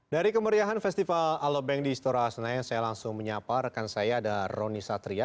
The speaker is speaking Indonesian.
dari kemeriahan festival alobank di istora senayan saya langsung menyapa rekan saya ada roni satria